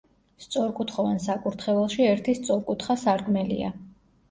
სწორკუთხოვან საკურთხეველში ერთი სწორკუთხა სარკმელია.